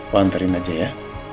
wantarin aja ya